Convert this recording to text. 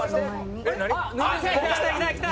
「きたきた！」